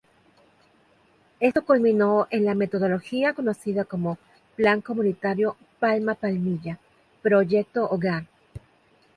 Esto culminó en la metodología conocida como Plan Comunitario Palma Palmilla Proyecto Hogar.